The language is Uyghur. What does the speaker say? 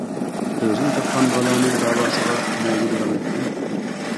ئۆزۈم تاپقان بالانىڭ داۋاسىغا نەگە بارالايتتىم.